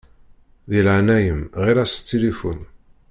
Di leɛnaya-m ɣeṛ-as s tilifun.